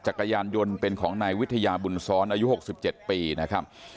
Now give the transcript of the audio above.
จักรยานยนต์เป็นของนายวิทยาบุญซ้อนอายุ๖๗ปีนะครับ